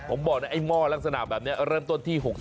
ผมบอกนะไอ้ม่อนลักษณะแบบเนี้ยเริ่มต้นที่๖๖บาท